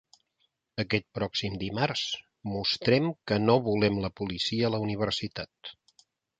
Aquest pròxim dimarts mostrem que no volem la policia a la universitat.